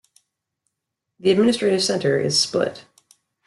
The administrative center is Split.